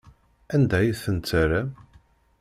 Anda ay ten-terram?